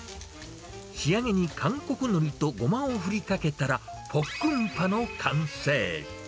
仕上げに韓国のりとごまを振りかけたら、ポックンパの完成。